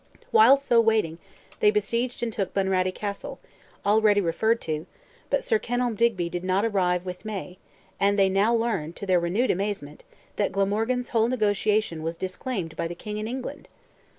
While so waiting, they besieged and took Bunratty castle—already referred to—but Sir Kenelm Digby did not arrive with May, and they now learned, to their renewed amazement, that Glamorgan's whole negotiation was disclaimed by the King in England.